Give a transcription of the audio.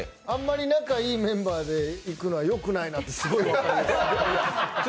あんまり仲いいメンバーで行くのはよくないなと。